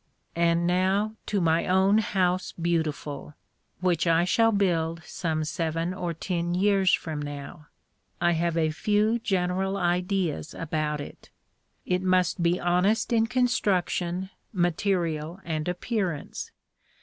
And now to my own house beautiful, which I shall build some seven or ten years from now. I have a few general ideas about it. It must be honest in construction, material, and appearance.